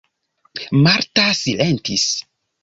Marta silentis.